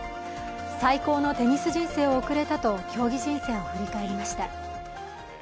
最高のテニス人生を送れたと競技人生を振り返りました。